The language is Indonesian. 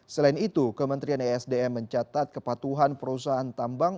selain itu kementerian esdm mencatat kepatuhan perusahaan tambang